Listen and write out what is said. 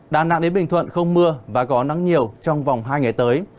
đà nẵng đến bình thuận không mưa và có nắng nhiều trong vòng hai ngày tới